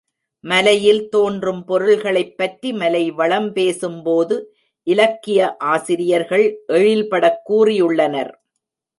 மலையில் தோன்றும் பொருள்களைப் பற்றி மலைவளம் பேசும் போது இலக்கிய ஆசிரியர்கள் எழில்படக் கூறியுள்ளனர்.